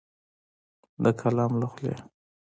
د قلم له خولې